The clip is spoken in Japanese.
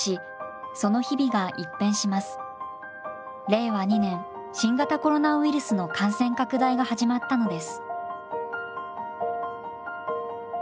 令和２年新型コロナウイルスの感染拡大が始まったのです。